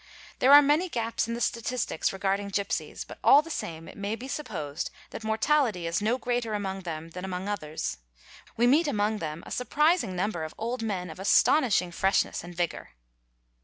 There are many gaps in the statistics regarding gipsies but all the same it may be supposed that mortality is no greater among them ; than among others. We meet among them a surprising number of old men of astonishing freshness and vigour.